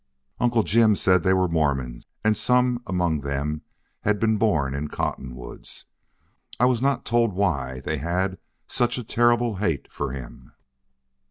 "Uncle Jim said they were Mormons, and some among them had been born in Cottonwoods. I was not told why they had such a terrible hate for him.